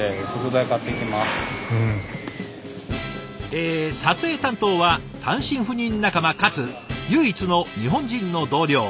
え撮影担当は単身赴任仲間かつ唯一の日本人の同僚。